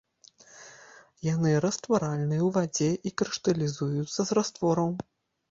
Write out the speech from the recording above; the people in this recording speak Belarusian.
Яны растваральныя ў вадзе і крышталізуюцца з раствораў.